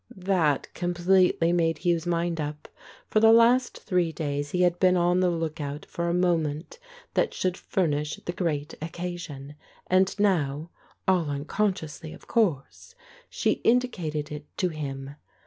That completely made Hugh's mind up. For the last three days he had been on the look out for a moment that should furnish the great occasion; and now (all unconsciously, of course) she indicated it to him.